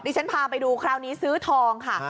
ฉันพาไปดูคราวนี้ซื้อทองค่ะ